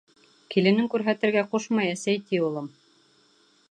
Киленең күрһәтергә ҡушмай, әсәй, ти улым.